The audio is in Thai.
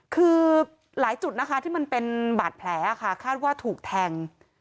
คือหลายจุดนะคะที่มันเป็นบาดแผลค่ะคาดว่าถูกแทง